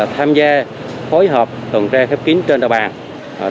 tham gia phối hợp tuần tra kiểm soát phép kín trên đoàn công an